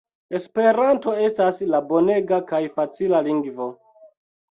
Esperanto estas la bonega kaj facila lingvo.